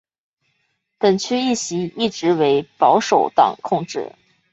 本区议席一直为保守党控制。